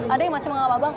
ada yang masih mengapa bang